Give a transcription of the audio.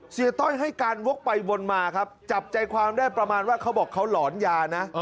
ต้อยให้การวกไปวนมาครับจับใจความได้ประมาณว่าเขาบอกเขาหลอนยานะ